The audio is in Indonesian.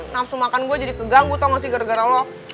nafsu makan gue jadi keganggu tau gak sih gara gara lo